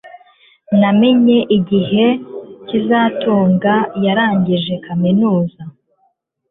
Namenye igihe kazitunga yarangije kaminuza